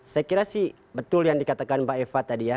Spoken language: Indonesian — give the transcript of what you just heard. saya kira sih betul yang dikatakan mbak eva tadi ya